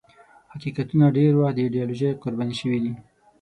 حقیقتونه ډېر وخت د ایدیالوژۍ قرباني شوي دي.